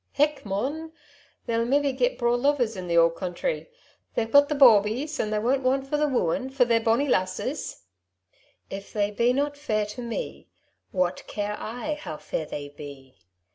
''" Hech, mon ! they'll maybe git braw lovers in the old country. They've got the bawbees, and they won't want for the wooing, for they're bonny lassies." " If they be not fair to me, What care I how fair they be